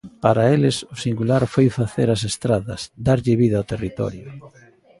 Para eles o singular foi facer as estradas, darlle vida ao territorio.